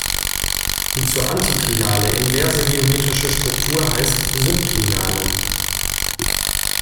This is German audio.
Die zur Antiklinale inverse geometrische Struktur heißt Synklinale.